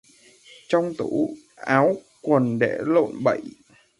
Trong tủ, áo quần để lộn bậy